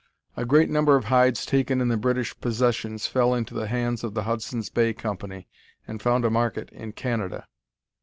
A great number of hides taken in the British Possessions fell into the hands of the Hudson's Bay Company, and found a market in Canada.